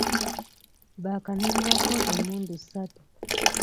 Baakanunulako emmundu ssatu.